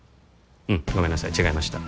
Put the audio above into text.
うんごめんなさい違いました